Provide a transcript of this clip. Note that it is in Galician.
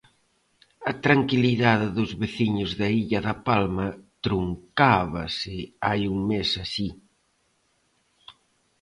A tranquilidade dos veciños da illa da Palma truncábase hai un mes así...